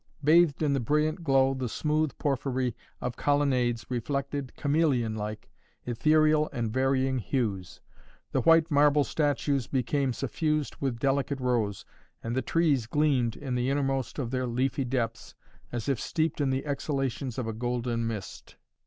Bathed in the brilliant glow the smooth porphyry colonnades reflected, chameleon like, ethereal and varying hues. The white marble statues became suffused with delicate rose, and the trees gleamed in the innermost of their leafy depths as if steeped in the exhalations of a golden mist.